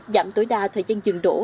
giảm tối đa thời gian dừng đổ